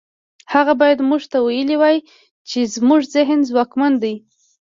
هغه بايد موږ ته ويلي وای چې زموږ ذهن ځواکمن دی.